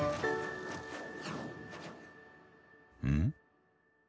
うん？